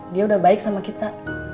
dia udah baik sama kita